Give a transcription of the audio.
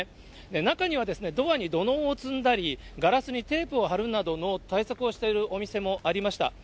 中にはドアに土のうを積んだり、ガラスにテープを貼るなどの対策をしているお店もありました。